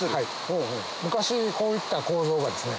昔こういった構造がですね